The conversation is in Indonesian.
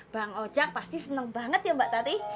bang oca pasti senang banget ya mbak tati